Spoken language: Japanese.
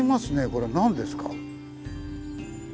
これ何ですか？